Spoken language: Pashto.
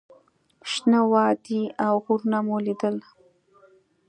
شنه وادي او غرونه مو لیدل.